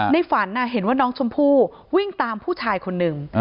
ฝันเห็นว่าน้องชมพู่วิ่งตามผู้ชายคนหนึ่ง